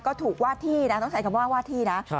ก็ถูกว่าที่นะต้องใช้คำว่าว่าที่นะ